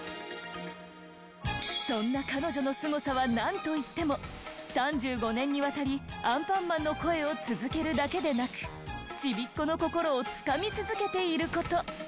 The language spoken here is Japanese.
そんな彼女のスゴさはなんといっても３５年にわたりアンパンマンの声を続けるだけでなくちびっ子の心をつかみ続けている事。